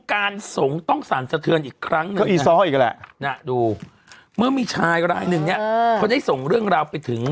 เขาจะส่งเรื่องราวไปถึงหลังบ้านเสร็มปลาท้องโกะ